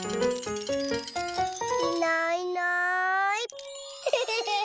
いないいない。